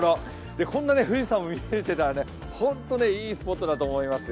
こんな富士山を見れるのはいいスポットだと思いますよ。